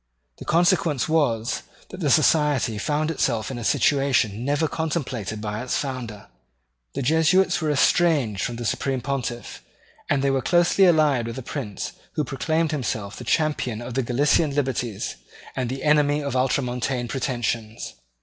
The consequence was, that the Society found itself in a situation never contemplated by its founder. The Jesuits were estranged from the Supreme Pontiff; and they were closely allied with a prince who proclaimed himself the champion of the Gallican liberties and the enemy of Ultramontane pretensions.